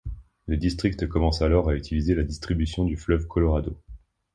Le district commence alors à utiliser la distribution du fleuve Colorado.